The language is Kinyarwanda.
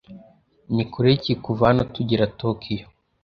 Ni kure ki kuva hano kugera Tokiyo?